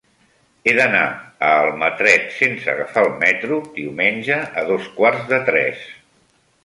He d'anar a Almatret sense agafar el metro diumenge a dos quarts de tres.